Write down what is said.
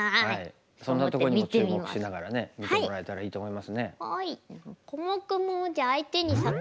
そんなことにも注目しながらね見てもらえたらいいと思いますね。